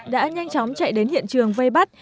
đã nhanh chóng chạy đến hiện trường vây bắt